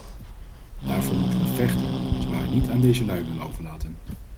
Daarvoor moeten we vechten, als we haar niet aan deze lui willen overlaten!